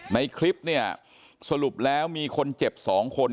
ในคลิปเนี่ยสรุปแล้วมีคนเจ็บ๒คน